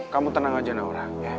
kamu tenang aja naura